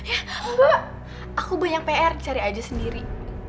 enggak aku banyak pr cari aja sendiri